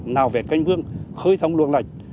nào vẹt canh bương khơi thông luông lạch